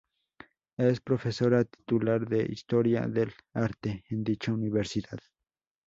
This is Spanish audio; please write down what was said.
Es Profesora titular de Historia del Arte, en dicha Universidad.